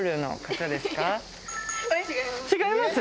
違います？